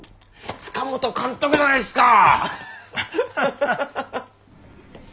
塚本監督じゃないですか！